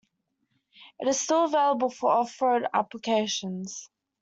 It is still available for off-road applications.